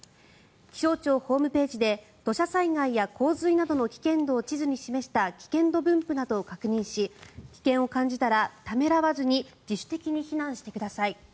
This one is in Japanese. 気象庁ホームページで土砂災害や洪水などの危険度を地図に示した危険度分布などを確認し危険を感じたらためらわずに自主的に避難してください。